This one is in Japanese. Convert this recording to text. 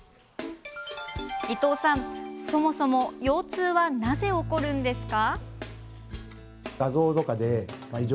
伊藤さん、そもそも腰痛はなぜ起こるんですか？